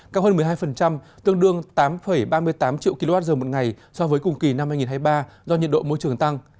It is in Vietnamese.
cao hơn một mươi hai tương đương tám ba mươi tám triệu kwh một ngày so với cùng kỳ năm hai nghìn hai mươi ba do nhiệt độ môi trường tăng